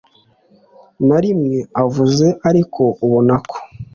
narimwe avuze ariko ubonako